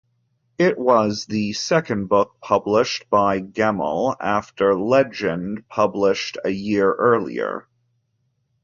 It was the second book published by Gemmell, after "Legend", published a year earlier.